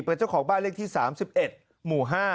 เป็นเจ้าของบ้านเลขที่๓๑หมู่๕